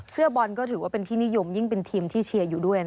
เสื้อบอลก็ถือว่าเป็นที่นิยมยิ่งเป็นทีมที่เชียร์อยู่ด้วย